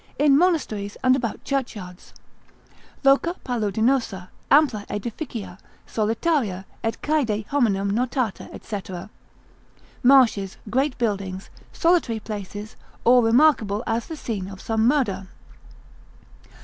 in monasteries and about churchyards, loca paludinosa, ampla aedificia, solitaria, et caede hominum notata, &c. (marshes, great buildings, solitary places, or remarkable as the scene of some murder.)